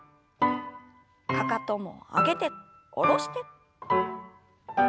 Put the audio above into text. かかとも上げて下ろして。